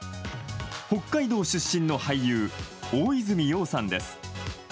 北海道出身の俳優、大泉洋さんです。